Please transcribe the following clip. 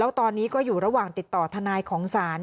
ตอนนี้ก็อยู่ระหว่างติดต่อทนายของศาล